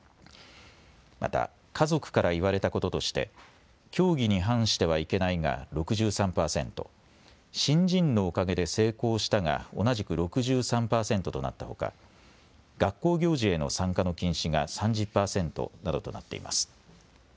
また家族から言われたこととして教義に反してはいけないが６３％、信心のおかげで成功したが同じく６３％となったほか、学校行事への参加の禁止が３０％などとなっています。